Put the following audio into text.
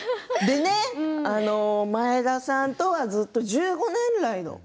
前田さんとは１５年来の。